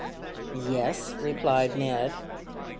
"Yes," replied Ned.